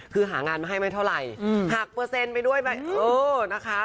คือหางานมาให้ไม่เท่าไหร่หักเปอร์เซ็นต์ไปด้วยไปเออนะคะ